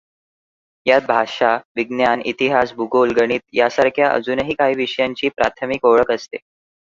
यात भाषा, विज्ञान, इतिहास, भूगोल, गणित, यासांरख्या अजून काही विषयांची प्राथमिक ओळख असते.